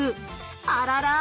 あらら。